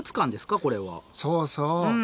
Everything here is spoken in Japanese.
そうそう。